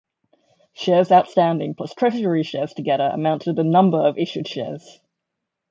Shares outstanding plus treasury shares together amount to the number of issued shares.